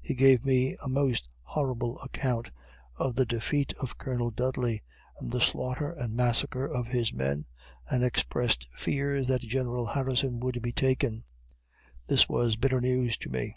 He gave me a most horrible account of the defeat of Colonel Dudley, and the slaughter and massacre of his men and expressed fears that General Harrison would be taken. This was bitter news to me.